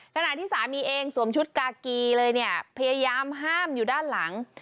ขณะที่สามีเองสวมชุดกากีเลยเนี่ยพยายามห้ามอยู่ด้านหลัง